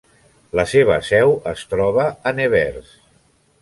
La seva seu es troba a Nevers.